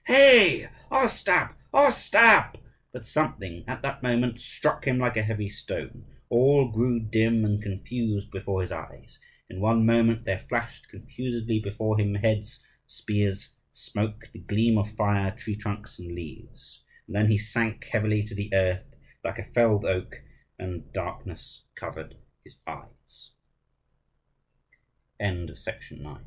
"Hey, Ostap, Ostap!" But something at that moment struck him like a heavy stone. All grew dim and confused before his eyes. In one moment there flashed confusedly before him heads, spears, smoke, the gleam of fire, tree trunks, and leaves; and then he sank heavily to the earth like a felled oak,